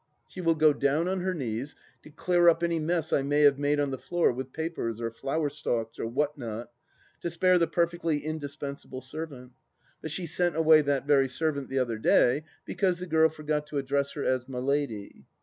She wUl go down on her knees to clear up any mess I may have made on the floor with papers or flower stalks or what not, to spare the perfectly indis pensable servant, but she sent away that very servant the other day because the girl forgot to address her as My Lady.